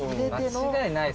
間違いないっすね